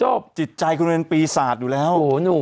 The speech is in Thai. ต้องเข้าใจความพันใจแล้ว